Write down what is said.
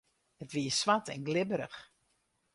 It wie swart en glibberich.